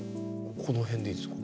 この辺でいいですか？